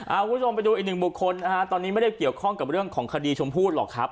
คุณผู้ชมไปดูอีกหนึ่งบุคคลนะฮะตอนนี้ไม่ได้เกี่ยวข้องกับเรื่องของคดีชมพู่หรอกครับ